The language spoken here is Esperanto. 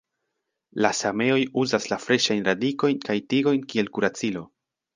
La sameoj uzas la freŝajn radikojn kaj tigojn kiel kuracilo.